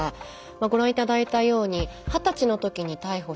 ご覧頂いたように二十歳のときに逮捕され